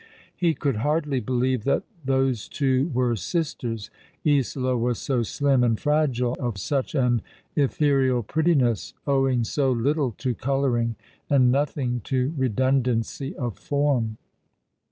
He could hardly believe that those two were sisters. Isola was so slim and fragile, of such an ethereal prettiness, owing so little to colouring, and nothing to redundancy of form.